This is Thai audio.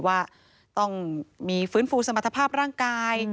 ว่าต้องมีฟื้นฟูสมรรถภาพร่างกาย